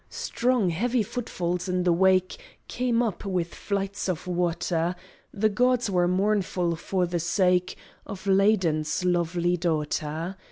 Strong, heavy footfalls in the wake Came up with flights of water: The gods were mournful for the sake Of Ladon's lovely daughter.